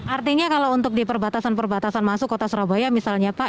artinya kalau untuk di perbatasan perbatasan masuk kota surabaya misalnya pak